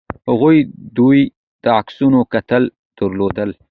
هغې د واده د عکسونو کتل ودرول.